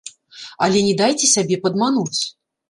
Але не дайце сябе падмануць.